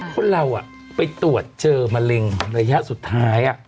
คนเราไปตรวจเจอมะเร็งระยะสุดท้าย